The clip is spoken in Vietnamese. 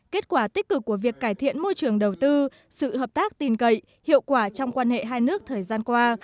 kết quả tích cực của việc cải thiện môi trường đầu tư sự hợp tác tin cậy hiệu quả trong quan hệ hai nước thời gian qua